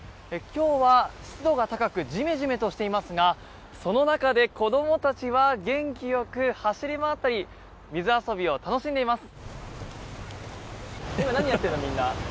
今日は湿度が高くジメジメとしていますがその中で子どもたちは元気よく走り回ったり水遊びを楽しんでいます。